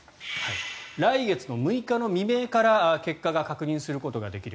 来月６日の未明から結果を確認することができる。